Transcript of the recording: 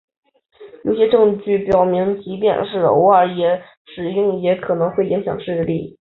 有些证据表明即便是偶尔使用也可能会影响视力。